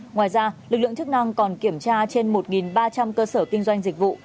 ngoài ra lực lượng chức năng còn kiểm tra trên một ba trăm linh cơ sở kinh doanh dịch vụ